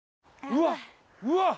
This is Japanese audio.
うわっうわっ！